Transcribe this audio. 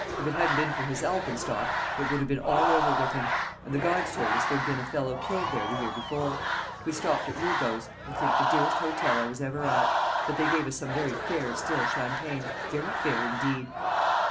If it hadn't been for his alpen stock, it would have been all over with him; and the guides told us there'd been a fellow killed there the year before. We stopped at Rigot's I think the dearest hotel I was ever at; but they gave us some very fair still champagne very fair indeed."